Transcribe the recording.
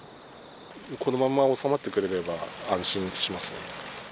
このまま収まってくれれば安心しますね。